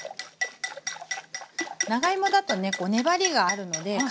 長芋だとね粘りがあるのでからみやすいんですね。